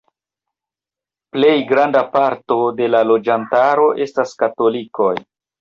Plej granda parto de la loĝantaro estas katolikoj.